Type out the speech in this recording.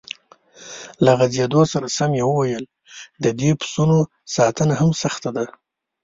له غځېدو سره سم یې وویل: د دې پسونو ساتنه هم سخته ده.